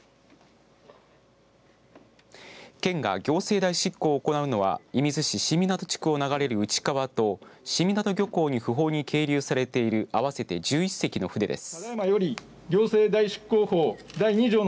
県が、行政代執行を行うのは射水市新湊地区を流れる内川と新湊漁港に不法に係留されている合わせて１１隻の船です。